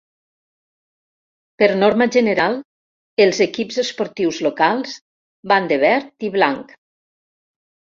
Per norma general, els equips esportius locals van de verd i blanc.